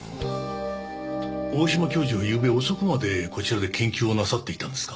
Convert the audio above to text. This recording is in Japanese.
大島教授はゆうべ遅くまでこちらで研究をなさっていたんですか？